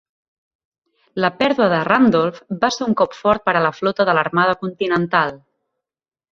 La pèrdua de "Randolph" va ser un cop fort per a la flota de l'Armada Continental.